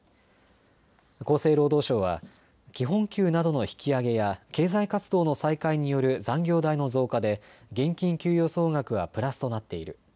厚生労働省は基本給などの引き上げや経済活動の再開による残業代の増加で現金給与総額はプラスとなっている。